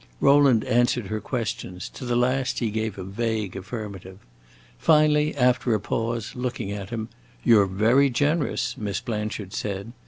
Rowland answered her questions; to the last he gave a vague affirmative. Finally, after a pause, looking at him, "You 're very generous," Miss Blanchard said.